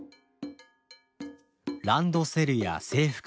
ランドセルや制服